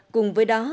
cùng với đó